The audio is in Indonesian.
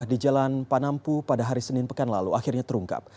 di jalan panampu pada hari senin pekan lalu akhirnya terungkap